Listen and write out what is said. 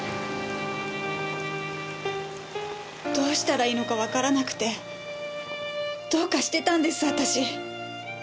どうしたらいいのかわからなくてどうかしてたんです私。